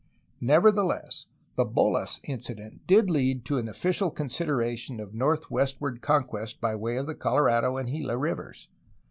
Neverthe less the holas incident did lead to an official consideration of northwestward conquest by way of the Colorado and Gila rivers.